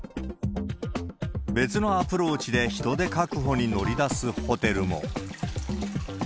別のアプローチで人手確保に乗り出すホテルも。